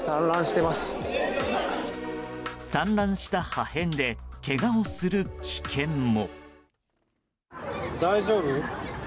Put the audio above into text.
散乱した破片でけがをする危険も。